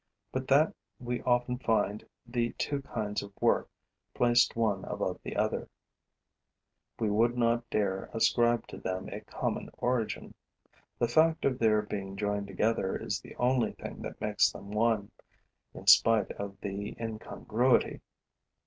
But that we often find the two kinds of work placed one above the other, we would not dare ascribe to them a common origin. The fact of their being joined together is the only thing that makes them one, in spite of the incongruity.